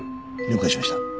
了解しました。